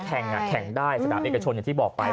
แข่งแข่งได้สนามเอกชนอย่างที่บอกไป